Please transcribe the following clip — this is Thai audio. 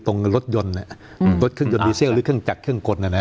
ตรงรถยนต์อ่ะรถรถยนต์ดีเซลหรือเครื่องจักรเครื่องกดอ่ะนะ